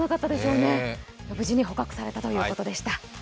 無事に捕獲されたということでした。